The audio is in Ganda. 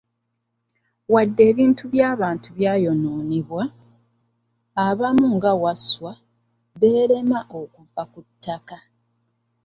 Wadde ebintu by'abantu byayonoonebwa, abamu nga Wasswa beerema okuva ku ttaka.